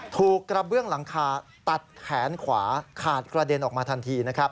ถูกกระเบื้องหลังคาตัดแขนขวาขาดกระเด็นออกมาทันทีนะครับ